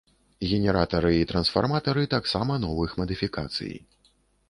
Генератары і трансфарматары таксама новых мадыфікацый.